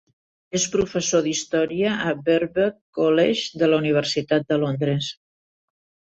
És professor d'Història a Birkbeck College de la Universitat de Londres.